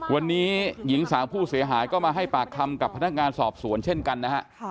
วันนี้หญิงสาวผู้เสียหายก็มาให้ปากคำกับพนักงานสอบสวนเช่นกันนะฮะ